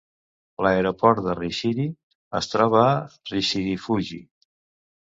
L'aeroport de Rishiri es troba a Rishirifuji.